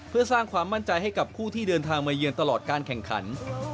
เพื่อสร้างความมั่นใจให้กับผู้ที่เดินทางมาเยือนตลอดการแข่งขัน